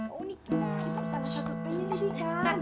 oh ini kira kira itu salah satu penyelidikan